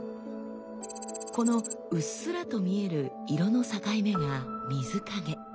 このうっすらと見える色の境目が水影。